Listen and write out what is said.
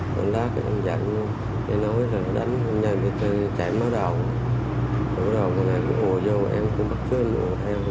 còn lát thì em dặn em nói là đánh em nhờ người ta chạy mở đầu mở đầu rồi em cũng hùa vô em cũng bắt chú em hùa theo